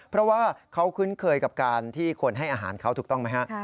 เพราะว่าเขาคุ้นเคยกับการที่คนให้อาหารเขาถูกต้องไหมฮะ